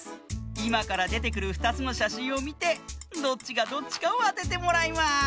いまからでてくる２つのしゃしんをみてどっちがどっちかをあててもらいます！